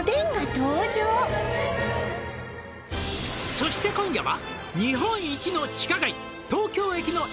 「そして今夜は」